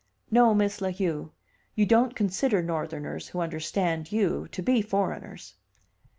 "No, Miss La Heu; you don't consider Northerners, who understand you, to be foreigners."